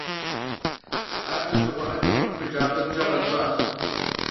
Ар лӀэщӀыгъуэ Ӏэджэм къапхыкӀа акъылкӀэ гъэнщӀащ.